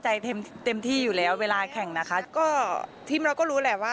เต็มเต็มที่อยู่แล้วเวลาแข่งนะคะก็ทีมเราก็รู้แหละว่า